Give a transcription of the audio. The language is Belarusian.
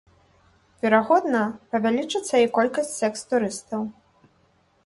Верагодна, павялічыцца і колькасць сэкс-турыстаў.